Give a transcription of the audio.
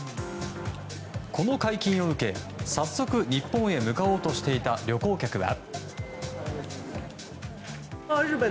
この解禁を受け、早速日本へ向かおうとしていた旅行客は。